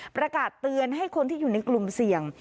ประกาศเตือนให้คนที่อยู่ในกลุ่มเสี่ยง